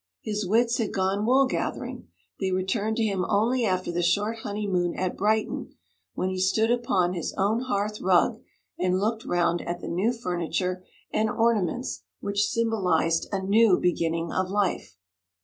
His wits had gone wool gathering; they returned to him only after the short honeymoon at Brighton, when he stood upon his own hearth rug, and looked round at the new furniture and ornaments which symbolized a new beginning of life.